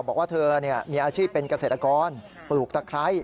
บอกว่าเธอมีอาชีพเป็นเกษตรกรปลูกตะไคร้